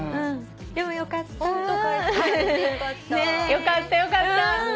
よかったよかった。